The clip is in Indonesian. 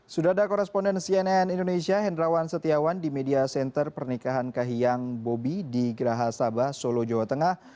sudah ada koresponden cnn indonesia hendrawan setiawan di media center pernikahan kahiyang bobi di geraha sabah solo jawa tengah